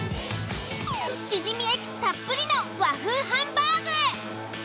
シジミエキスたっぷりの和風ハンバーグ。